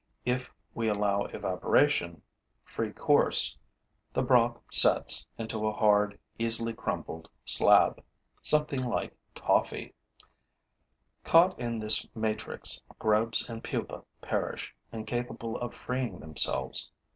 If we allow evaporation free course, the broth sets, into a hard, easily crumbled slab, something like toffee. Caught in this matrix, grubs and pupa perish, incapable of freeing themselves.